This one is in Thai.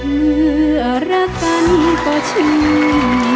เมื่อรักกันก็เช่น